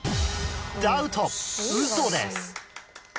ダウトウソです